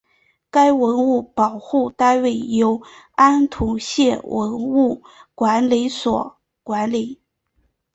该文物保护单位由安图县文物管理所管理。